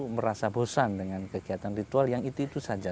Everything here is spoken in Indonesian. merasa bosan dengan kegiatan ritual yang itu itu saja